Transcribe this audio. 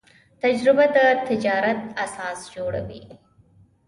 تجربه د تجارت اساس جوړوي.